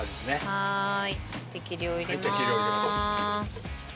はい。